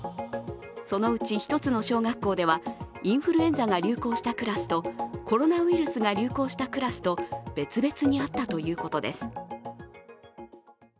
そのうち１つの小学校ではインフルエンザが流行したクラスとコロナウイルスが流行したクラスと別々にあったということです。